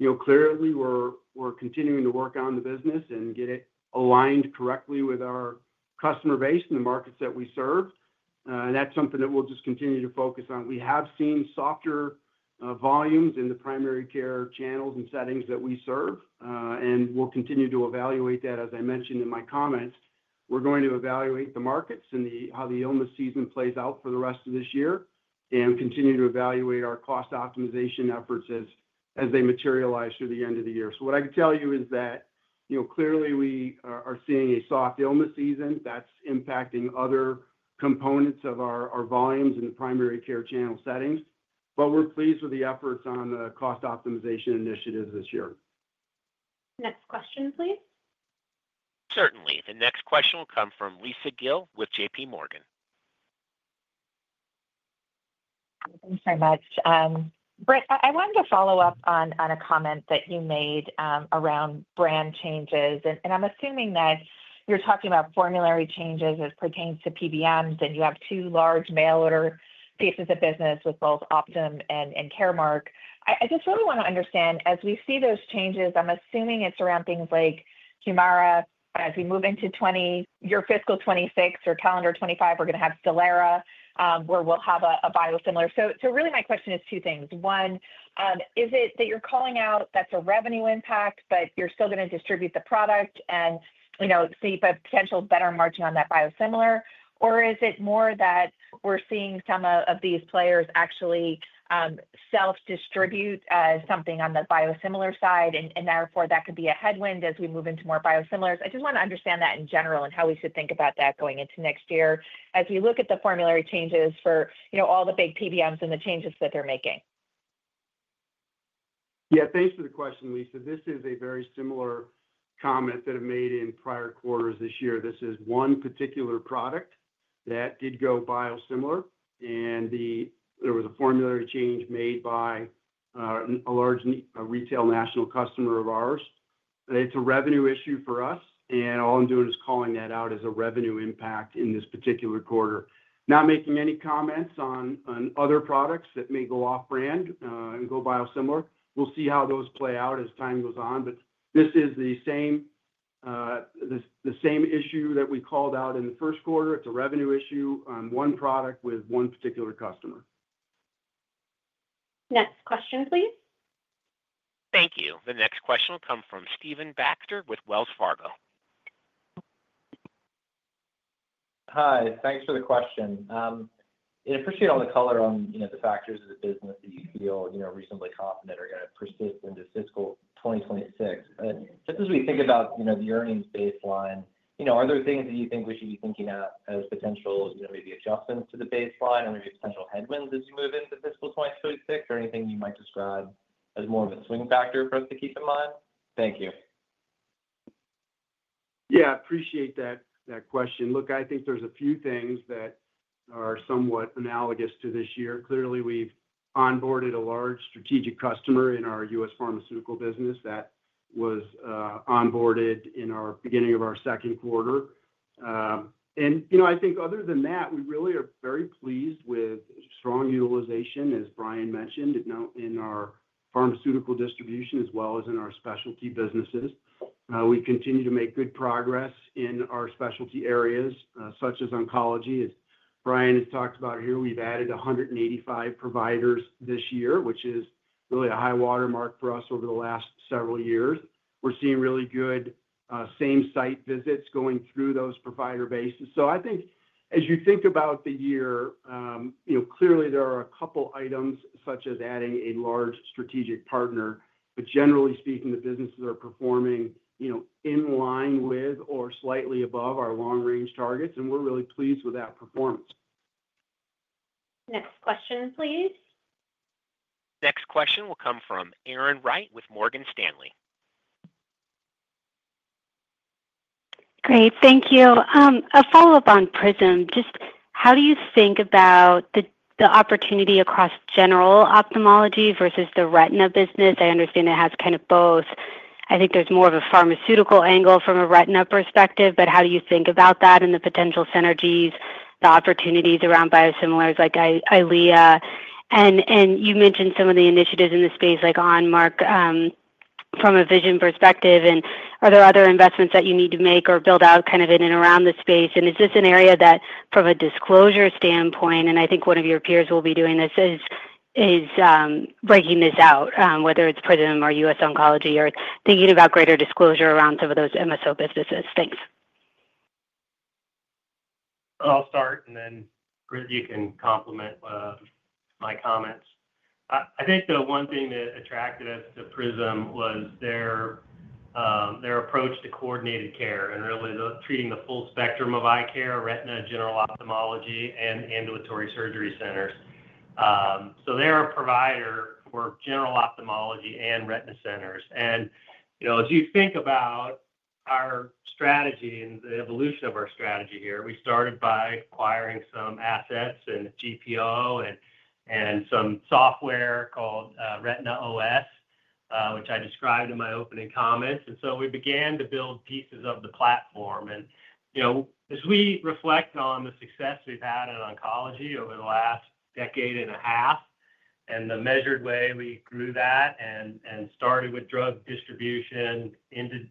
Speaker 4: And clearly, we're continuing to work on the business and get it aligned correctly with our customer base and the markets that we serve. And that's something that we'll just continue to focus on. We have seen softer volumes in the primary care channels and settings that we serve, and we'll continue to evaluate that, as I mentioned in my comments. We're going to evaluate the markets and how the illness season plays out for the rest of this year and continue to evaluate our cost optimization efforts as they materialize through the end of the year. So what I could tell you is that clearly we are seeing a soft illness season that's impacting other components of our volumes in the primary care channel settings, but we're pleased with the efforts on the cost optimization initiatives this year.
Speaker 2: Next question, please?
Speaker 1: Certainly. The next question will come from Lisa Gill with J.P. Morgan.
Speaker 10: Thanks very much. Britt, I wanted to follow up on a comment that you made around brand changes. And I'm assuming that you're talking about formulary changes as pertains to PBMs, and you have two large mail order pieces of business with both Optum and Caremark. I just really want to understand, as we see those changes. I'm assuming it's around things like Humira. As we move into your fiscal 2026 or calendar 2025, we're going to have Stelara, where we'll have a biosimilar. So really, my question is two things. One, is it that you're calling out that's a revenue impact, but you're still going to distribute the product and see a potential better margin on that biosimilar? Or is it more that we're seeing some of these players actually self-distribute something on the biosimilar side, and therefore that could be a headwind as we move into more biosimilars? I just want to understand that in general and how we should think about that going into next year as we look at the formulary changes for all the big PBMs and the changes that they're making.
Speaker 4: Yeah, thanks for the question, Lisa. This is a very similar comment that I've made in prior quarters this year. This is one particular product that did go biosimilar, and there was a formulary change made by a large retail national customer of ours. It's a revenue issue for us, and all I'm doing is calling that out as a revenue impact in this particular quarter. Not making any comments on other products that may go off-brand and go biosimilar. We'll see how those play out as time goes on, but this is the same issue that we called out in the first quarter. It's a revenue issue on one product with one particular customer.
Speaker 2: Next question, please?
Speaker 1: Thank you. The next question will come from Stephen Baxter with Wells Fargo.
Speaker 11: Hi, thanks for the question. And I appreciate all the color on the factors of the business that you feel reasonably confident are going to persist into fiscal 2026. Just as we think about the earnings baseline, are there things that you think we should be thinking about as potential maybe adjustments to the baseline or maybe potential headwinds as you move into fiscal 2026? Or anything you might describe as more of a swing factor for us to keep in mind? Thank you.
Speaker 4: Yeah, I appreciate that question. Look, I think there's a few things that are somewhat analogous to this year. Clearly, we've onboarded a large strategic customer in our U.S. Pharmaceutical business that was onboarded in the beginning of our second quarter. And I think other than that, we really are very pleased with strong utilization, as Brian mentioned, in our pharmaceutical distribution as well as in our specialty businesses. We continue to make good progress in our specialty areas, such as oncology. As Brian has talked about here, we've added 185 providers this year, which is really a high watermark for us over the last several years. We're seeing really good same-site visits going through those provider bases. So I think as you think about the year, clearly there are a couple of items such as adding a large strategic partner, but generally speaking, the businesses are performing in line with or slightly above our long-range targets, and we're really pleased with that performance.
Speaker 2: Next question, please.
Speaker 1: Next question will come from Erin Wright with Morgan Stanley.
Speaker 12: Great. Thank you. A follow-up on PRISM. Just how do you think about the opportunity across general ophthalmology versus the retina business? I understand it has kind of both. I think there's more of a pharmaceutical angle from a retina perspective, but how do you think about that and the potential synergies, the opportunities around biosimilars like Eylea? And you mentioned some of the initiatives in the space like Onmark from a vision perspective. And are there other investments that you need to make or build out kind of in and around the space? And is this an area that, from a disclosure standpoint, and I think one of your peers will be doing this, is breaking this out, whether it's PRISM or U.S. Oncology or thinking about greater disclosure around some of those MSO businesses? Thanks.
Speaker 3: I'll start, and then Britt, you can complement my comments. I think the one thing that attracted us to PRISM was their approach to coordinated care and really treating the full spectrum of eye care, retina, general ophthalmology, and ambulatory surgery centers. So they're a provider for general ophthalmology and retina centers. And as you think about our strategy and the evolution of our strategy here, we started by acquiring some assets and GPO and some software called RetinaOS, which I described in my opening comments. And so we began to build pieces of the platform. And as we reflect on the success we've had in oncology over the last decade and a half and the measured way we grew that and started with drug distribution into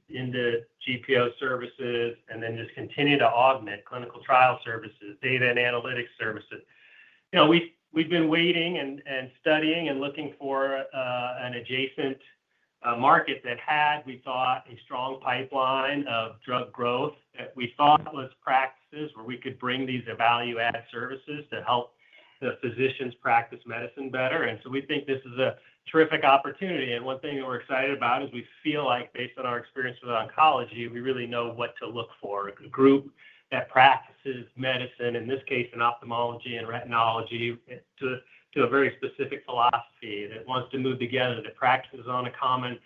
Speaker 3: GPO services and then just continued to augment clinical trial services, data and analytics services. We've been waiting and studying and looking for an adjacent market that had, we thought, a strong pipeline of drug growth that we thought was practices where we could bring these value-add services to help the physicians practice medicine better. And so we think this is a terrific opportunity. And one thing that we're excited about is we feel like, based on our experience with oncology, we really know what to look for, a group that practices medicine, in this case, in ophthalmology and retina, to a very specific philosophy that wants to move together, that practices on a common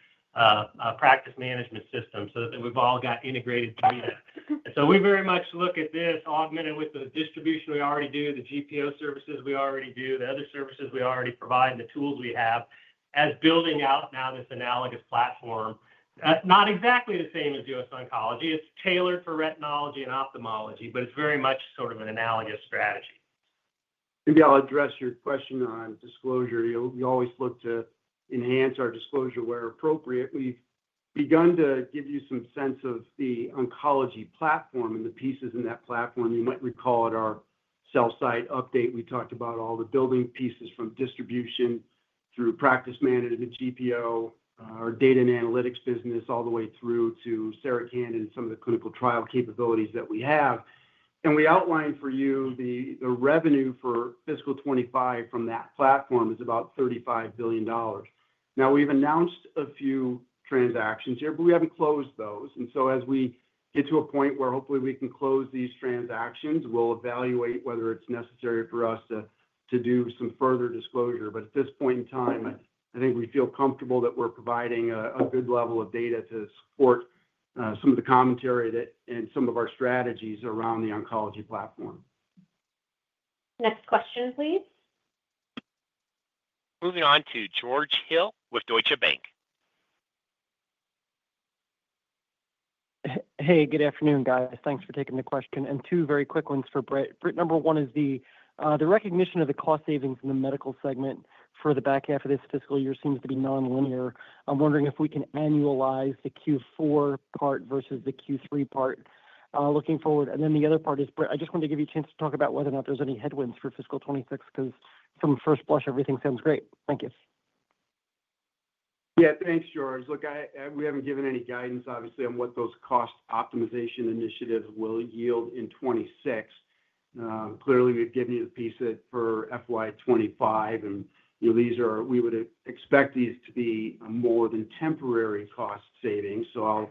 Speaker 3: practice management system so that we've all got integrated data. And so we very much look at this augmented with the distribution we already do, the GPO services we already do, the other services we already provide, and the tools we have as building out now this analogous platform. Not exactly the same as U.S. Oncology. It's tailored for retina and ophthalmology, but it's very much sort of an analogous strategy.
Speaker 4: Maybe I'll address your question on disclosure. We always look to enhance our disclosure where appropriate. We've begun to give you some sense of the oncology platform and the pieces in that platform. You might recall at our sell-side update, we talked about all the building pieces from distribution through practice management, GPO, our data and analytics business, all the way through to Sarah Cannon and some of the clinical trial capabilities that we have. And we outlined for you the revenue for fiscal 2025 from that platform is about $35 billion. Now, we've announced a few transactions here, but we haven't closed those. And so as we get to a point where hopefully we can close these transactions, we'll evaluate whether it's necessary for us to do some further disclosure. But at this point in time, I think we feel comfortable that we're providing a good level of data to support some of the commentary and some of our strategies around the oncology platform.
Speaker 2: Next question, please?
Speaker 1: Moving on to George Hill with Deutsche Bank.
Speaker 13: Hey, good afternoon, guys. Thanks for taking the question. And two very quick ones for Britt. Number one is the recognition of the cost savings in the medical segment for the back half of this fiscal year seems to be nonlinear. I'm wondering if we can annualize the Q4 part versus the Q3 part looking forward. And then the other part is, Britt, I just wanted to give you a chance to talk about whether or not there's any headwinds for fiscal 2026 because from first blush, everything sounds great. Thank you.
Speaker 4: Yeah, thanks, George. Look, we haven't given any guidance, obviously, on what those cost optimization initiatives will yield in 2026. Clearly, we've given you the piece for FY2025, and we would expect these to be more than temporary cost savings. So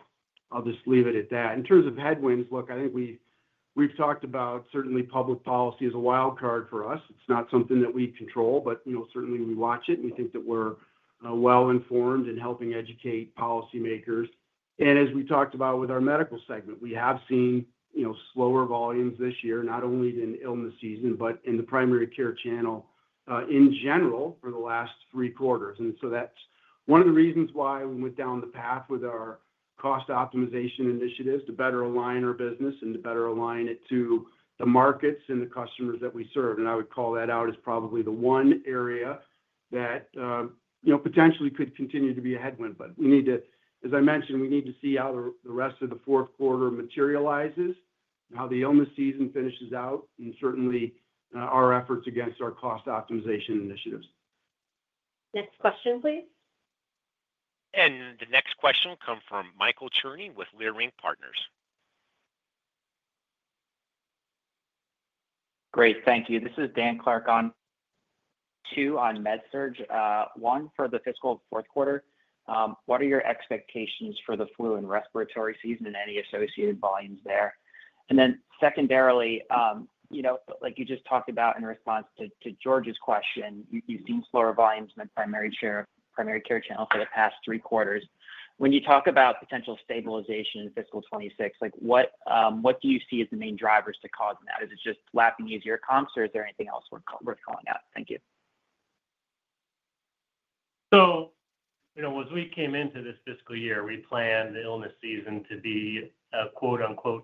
Speaker 4: I'll just leave it at that. In terms of headwinds, look, I think we've talked about certainly public policy as a wild card for us. It's not something that we control, but certainly we watch it, and we think that we're well-informed in helping educate policymakers. And as we talked about with our medical segment, we have seen slower volumes this year, not only in illness season but in the primary care channel in general for the last three quarters. And so that's one of the reasons why we went down the path with our cost optimization initiatives to better align our business and to better align it to the markets and the customers that we serve. And I would call that out as probably the one area that potentially could continue to be a headwind. But as I mentioned, we need to see how the rest of the fourth quarter materializes, how the illness season finishes out, and certainly our efforts against our cost optimization initiatives.
Speaker 2: Next question, please.
Speaker 1: And the next question will come from Michael Cherny with Leerink Partners.
Speaker 14: Great. Thank you. This is Dan Clark on. Two on Med-Surg. One for the fiscal fourth quarter. What are your expectations for the flu and respiratory season and any associated volumes there? And then secondarily, like you just talked about in response to George's question, you've seen slower volumes in the primary care channel for the past three quarters. When you talk about potential stabilization in fiscal 2026, what do you see as the main drivers to cause that? Is it just lapping easier comps, or is there anything else worth calling out? Thank you.
Speaker 3: So as we came into this fiscal year, we planned the illness season to be an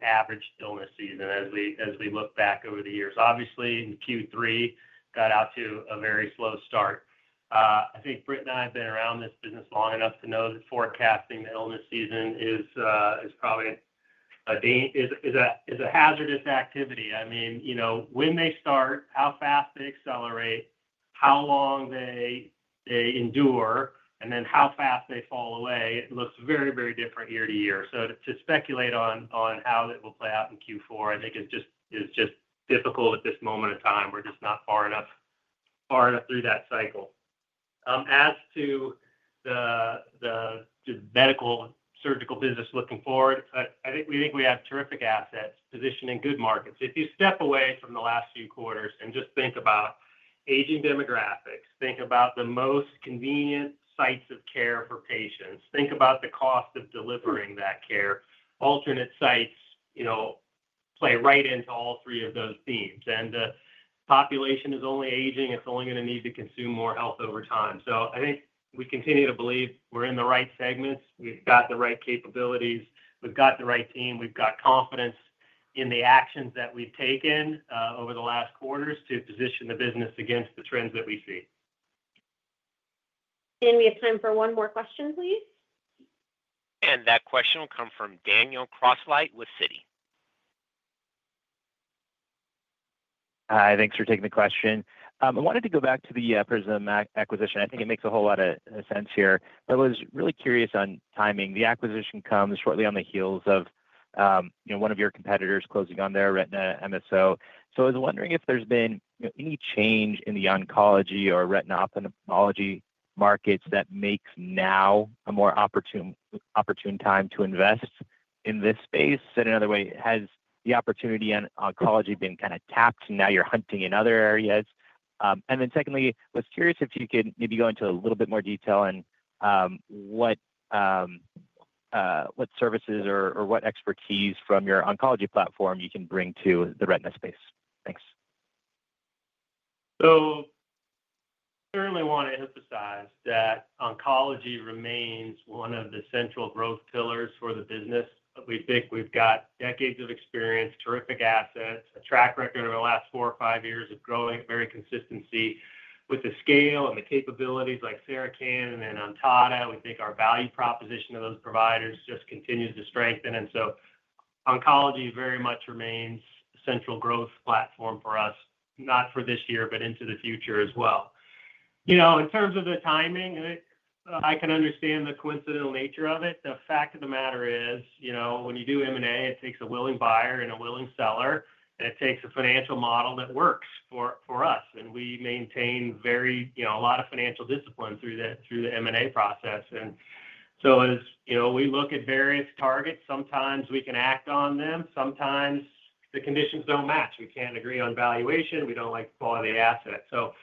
Speaker 3: "average illness season" as we look back over the years. Obviously, in Q3, it got out to a very slow start. I think Britt and I have been around this business long enough to know that forecasting the illness season is probably a hazardous activity. I mean, when they start, how fast they accelerate, how long they endure, and then how fast they fall away, it looks very, very different year to year. So to speculate on how it will play out in Q4, I think is just difficult at this moment in time. We're just not far enough through that cycle. As to the Medical-Surgical business looking forward, we think we have terrific assets positioned in good markets. If you step away from the last few quarters and just think about aging demographics, think about the most convenient sites of care for patients, think about the cost of delivering that care. Alternate sites play right into all three of those themes, and the population is only aging. It's only going to need to consume more health over time, so I think we continue to believe we're in the right segments. We've got the right capabilities. We've got the right team. We've got confidence in the actions that we've taken over the last quarters to position the business against the trends that we see.
Speaker 2: And we have time for one more question, please.
Speaker 1: And that question will come from Daniel Grosslight with Citi.
Speaker 15: Hi, thanks for taking the question. I wanted to go back to the PRISM Vision acquisition. I think it makes a whole lot of sense here. I was really curious on timing. The acquisition comes shortly on the heels of one of your competitors closing on their retina MSO. So I was wondering if there's been any change in the oncology or retina, ophthalmology markets that makes now a more opportune time to invest in this space. Said another way, has the opportunity in oncology been kind of tapped? Now you're hunting in other areas. And then secondly, I was wondering if you could maybe go into a little bit more detail on what services or what expertise from your oncology platform you can bring to the retina space. Thanks.
Speaker 3: So I certainly want to emphasize that oncology remains one of the central growth pillars for the business. We think we've got decades of experience, terrific assets, a track record over the last four or five years of growing very consistently with the scale and the capabilities like Sarah Cannon and then Ontada. We think our value proposition of those providers just continues to strengthen, and so oncology very much remains a central growth platform for us, not for this year, but into the future as well. In terms of the timing, I can understand the coincidental nature of it. The fact of the matter is when you do M&A, it takes a willing buyer and a willing seller, and it takes a financial model that works for us, and we maintain a lot of financial discipline through the M&A process, and so as we look at various targets, sometimes we can act on them. Sometimes the conditions don't match. We can't agree on valuation. We don't like the quality of the asset. So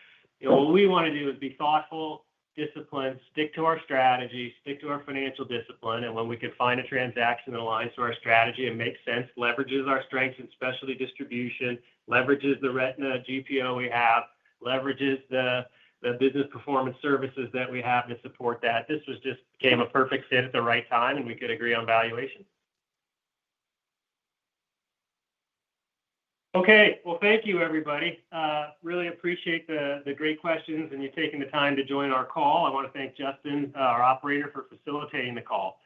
Speaker 3: what we want to do is be thoughtful, disciplined, stick to our strategy, stick to our financial discipline. And when we can find a transaction that aligns to our strategy and makes sense, leverages our strengths in specialty distribution, leverages the retina GPO we have, leverages the business performance services that we have to support that, this just became a perfect fit at the right time, and we could agree on valuation. Okay. Well, thank you, everybody. Really appreciate the great questions and you taking the time to join our call. I want to thank Justin, our operator, for facilitating the call.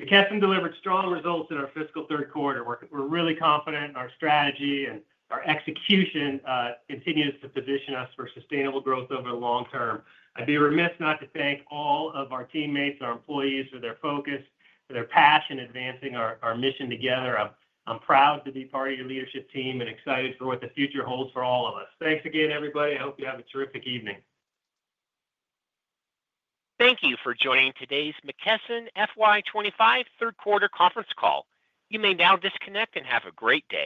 Speaker 3: McKesson delivered strong results in our fiscal third quarter. We're really confident in our strategy, and our execution continues to position us for sustainable growth over the long term. I'd be remiss not to thank all of our teammates, our employees, for their focus, for their passion advancing our mission together. I'm proud to be part of your leadership team and excited for what the future holds for all of us. Thanks again, everybody. I hope you have a terrific evening.
Speaker 1: Thank you for joining today's McKesson FY25 third quarter conference call. You may now disconnect and have a great day.